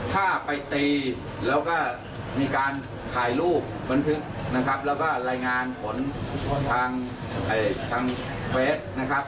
ถ้าไปตีแล้วก็มีการถ่ายรูปบันทึกนะครับแล้วก็รายงานผลทางเฟสนะครับ